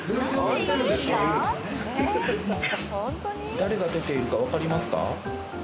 誰が出てるかわかりますか？